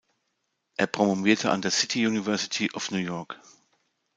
Er promovierte an der City University of New York.